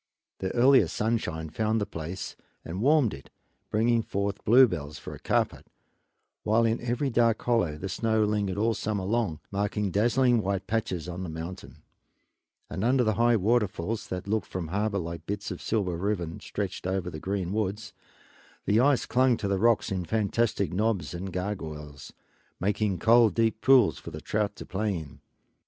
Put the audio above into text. The earliest sunshine found the place and warmed it, bringing forth the bluebells for a carpet, while in every dark hollow the snow lingered all summer long, making dazzling white patches on the mountain; and under the high waterfalls, that looked from the harbor like bits of silver ribbon stretched over the green woods, the ice clung to the rocks in fantastic knobs and gargoyles, making cold, deep pools for the trout to play in.